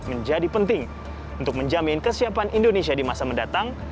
menjadi penting untuk menjamin kesiapan indonesia di masa mendatang